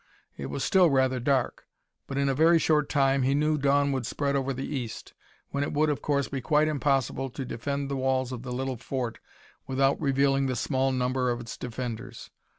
It was still rather dark; but in a very short time, he knew, dawn would spread over the east, when it would, of course, be quite impossible to defend the walls of the little fort without revealing the small number of its defenders.